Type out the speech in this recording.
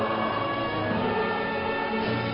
อาเมนอาเมน